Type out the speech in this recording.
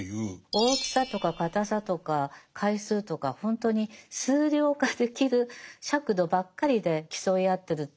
大きさとか硬さとか回数とかほんとに数量化できる尺度ばっかりで競い合ってるって。